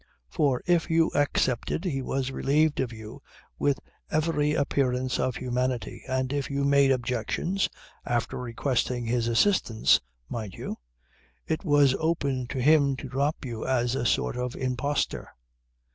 For if you accepted he was relieved of you with every appearance of humanity, and if you made objections (after requesting his assistance, mind you) it was open to him to drop you as a sort of impostor.